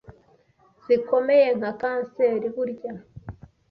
zikomeye nka kanseri burya